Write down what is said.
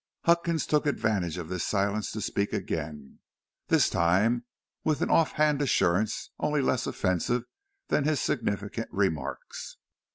Huckins took advantage of this silence to speak again, this time with an off hand assurance only less offensive than his significant remarks.